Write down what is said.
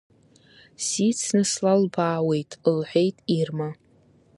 Сицны слалбаауеит, – лҳәеит Ирма.